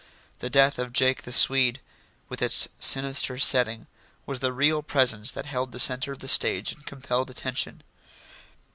The death of Jake the Swede, with its sinister setting, was the real presence that held the centre of the stage and compelled attention.